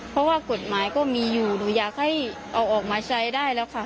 เพราะว่ากฎหมายก็มีอยู่หนูอยากให้เอาออกมาใช้ได้แล้วค่ะ